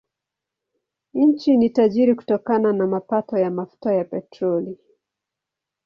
Nchi ni tajiri kutokana na mapato ya mafuta ya petroli.